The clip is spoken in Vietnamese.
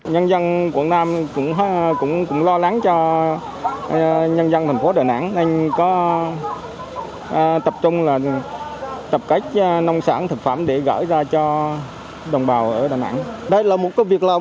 nhân dân quảng nam cũng lo lắng cho nhân dân thành phố đà nẵng nên có tập trung là tập cách nông sản thực phẩm để gửi ra cho